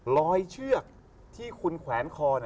เชือกที่คุณแขวนคอ